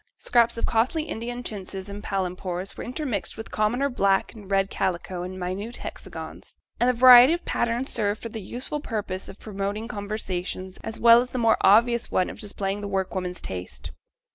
Scraps of costly Indian chintzes and palempours were intermixed with commoner black and red calico in minute hexagons; and the variety of patterns served for the useful purpose of promoting conversation as well as the more obvious one of displaying the work woman 's taste.